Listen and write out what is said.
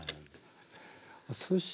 そして。